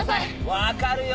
分かるよ